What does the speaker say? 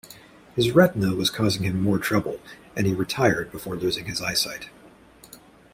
His retina was causing him more trouble, and he retired before losing his eyesight.